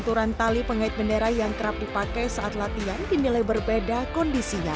aturan tali pengait bendera yang kerap dipakai saat latihan dinilai berbeda kondisinya